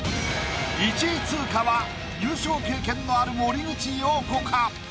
１位通過は優勝経験のある森口瑤子か？